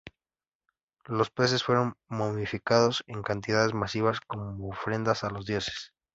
Los peces fueron momificados en cantidades masivas como ofrendas a los dioses.